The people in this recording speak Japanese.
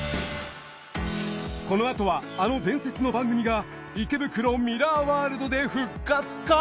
このあとはあの伝説の番組が池袋ミラーワールドで復活か！？